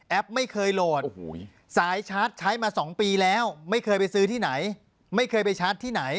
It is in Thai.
ไม่เคยโหลดสายชาร์จใช้มา๒ปีแล้วไม่เคยไปซื้อที่ไหนไม่เคยไปชาร์จที่ไหน